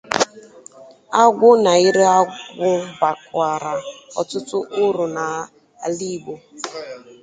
Agwụ na ịrụ agwụ bàkwàrà ọtụtụ uru n'ala Igbo